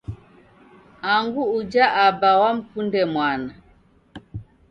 Angu uja aba wamkunde mwana